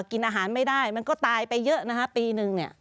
กินอาหารไม่ได้มันก็ตายไปเยอะนะฮะปีนึงเนี่ย